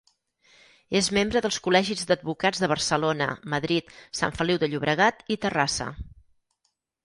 És membre dels Col·legis d'Advocats de Barcelona, Madrid, Sant Feliu de Llobregat i Terrassa.